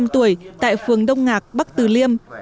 chín mươi năm tuổi tại phường đông ngạc bắc từ liêm